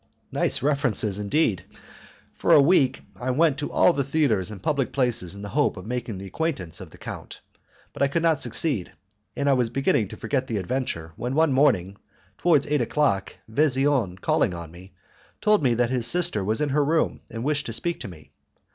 Nice references, indeed! For a week I went to all the theatres and public places in the hope of making the acquaintance of the count, but I could not succeed, and I was beginning to forget the adventure when one morning, towards eight o'clock Vesian calling on me, told me that his sister was in her room and wished to speak to me.